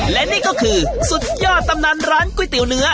และนี่ก็คือสุดยอดตำนานร้านก๋วยเตี๋ยวเนื้อ